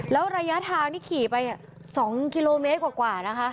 แล้วระยะทางที่ขี่ไป๒กิโลเมตรกว่านะคะ